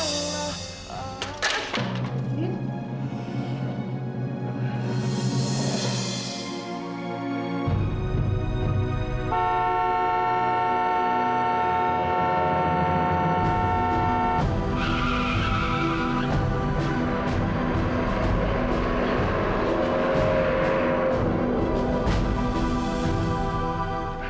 mita tunggu mita